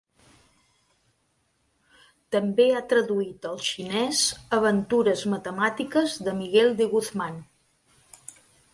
També ha traduït al xinès Aventures matemàtiques de Miguel de Guzmán.